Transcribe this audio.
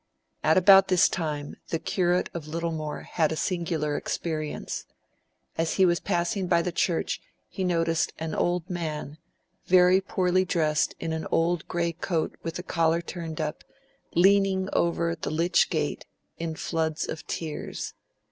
At about this time, the Curate of Littlemore had a singular experience. As he was passing by the Church he noticed an old man, very poorly dressed in an old grey coat with the collar turned up, leaning over the lych gate, in floods of tears.